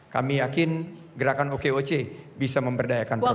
kami yakin gerakan okoc bisa memberdayakan perempuan